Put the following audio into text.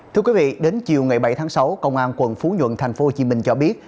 thưa quý vị đến chiều ngày bảy tháng sáu công an quận phú nhuận tp hcm cho biết